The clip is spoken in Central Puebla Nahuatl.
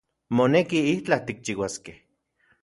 Moneki itlaj tikchiuaskej